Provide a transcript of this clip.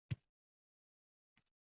Hech bir qayg‘uradigan joyi yo‘q buning.